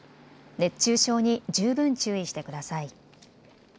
熱中症に十分注意してください。